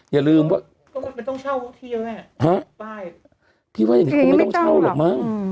อย่าลืมว่าก็ไม่ต้องเช่าที่เลยฮะป้ายพี่ว่าอย่างงี้ก็ไม่ต้องเช่าหรอกมั้ง